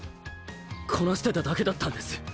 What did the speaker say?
こなしてただけだったんです。